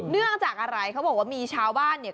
เนื่องจากอะไรเขาบอกว่ามีชาวบ้านเนี่ย